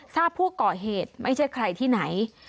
ทราบผู้ก่อเหตุไม่ใช่ใครที่ไหน